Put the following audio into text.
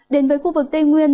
đến với khu vực tây nguyên